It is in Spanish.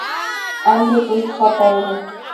Andy Ruiz Jr.